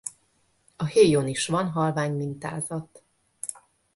A héjon is van halvány mintázat.